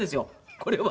これは。